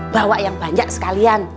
bawa yang banyak sekalian